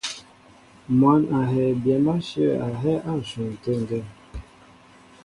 Mwǎn a hɛɛ byɛ̌m áshyə̂ a hɛ́ á ǹshwɛn tê ŋgeŋ.